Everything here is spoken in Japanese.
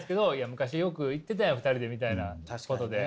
昔よく行ってたやん２人でみたいなことで。